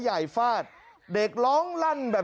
มันตายมาแล้วมันตายมาแล้ว